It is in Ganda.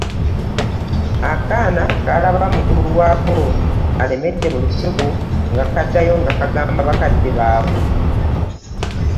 Akaana kaalaba mukulu waako alemedde mu lusuku nga kaddayo nga kagamba bakadde baabwe.